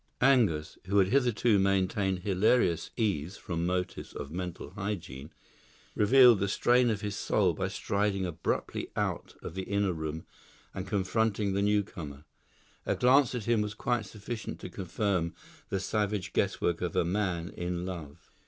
Angus, who had hitherto maintained hilarious ease from motives of mental hygiene, revealed the strain of his soul by striding abruptly out of the inner room and confronting the new comer. A glance at him was quite sufficient to confirm the savage guesswork of a man in love.